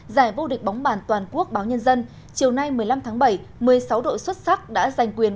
giải vô địch bóng bàn toàn quốc báo nhân dân chiều nay một mươi năm tháng bảy một mươi sáu đội xuất sắc đã giành quyền